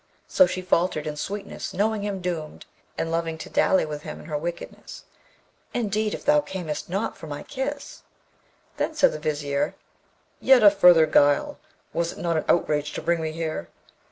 So she faltered in sweetness, knowing him doomed, and loving to dally with him in her wickedness, 'Indeed if thou cam'st not for my kiss ' Then said the Vizier, 'Yet a further guile! Was't not an outrage to bring me here?'